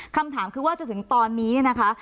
คำถามคือว่าจนถึงตอนนี้นะคะ